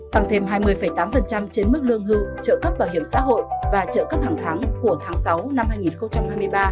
tăng thêm hai mươi tám trên mức lương hưu trợ cấp bảo hiểm xã hội và trợ cấp hàng tháng của tháng sáu năm hai nghìn hai mươi ba